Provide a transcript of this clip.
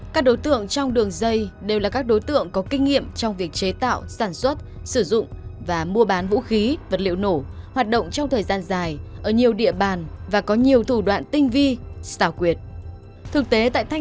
các đối tượng trong đường dây đều là các đối tượng có kinh nghiệm trong việc chế tạo sản xuất sử dụng và mua bán vũ khí vật liệu nổ hoạt động trong thời gian dài ở nhiều địa bàn và có nhiều thủ đoạn tinh vi xảo quyệt